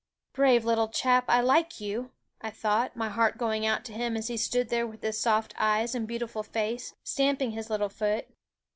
" Brave little chap, I like you," I thought, my heart going out to him as he stood there with his soft eyes and beautiful face, stamp ing his little foot.